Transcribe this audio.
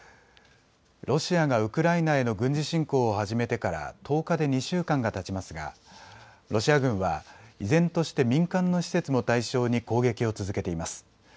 ロシアがウクライナへの軍事侵攻を始めてから１０日で２週間がたちますがロシア軍は依然として民間の施設も対象に攻撃を続けています。